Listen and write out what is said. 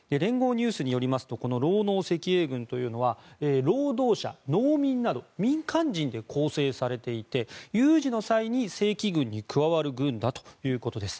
ニュースによりますとこの労農赤衛軍というのは労働者・農民など民間人で構成されていて、有事の際に正規軍に加わる軍だということです。